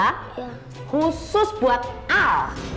khusus buat al